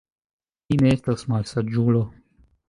Mi ne estas malsaĝulo.